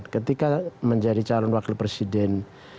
ketika menjadi calon wakil presiden